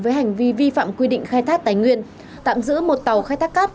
với hành vi vi phạm quy định khai thác tài nguyên tạm giữ một tàu khai thác cát